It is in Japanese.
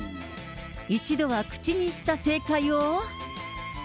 一度は口にした正解を。